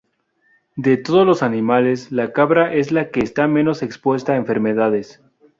De todos los animales, la cabra es la que está menos expuesta a enfermedades.